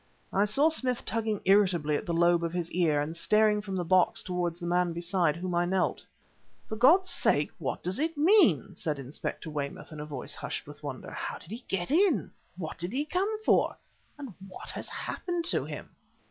I saw Smith tugging irritably at the lobe of his ear, and staring from the box towards the man beside whom I knelt. "For God's sake, what does it man?" said Inspector Weymouth in a voice hushed with wonder. "How did he get in? What did he come for? and what has happened to him?"